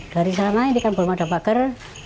dari sana ini kan belum ada pagar